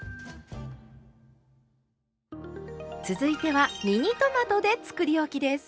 続いてはミニトマトでつくりおきです。